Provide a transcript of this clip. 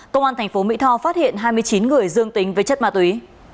công an tp mỹ tho phát hiện hai mươi chín người dương tính với chất ma túy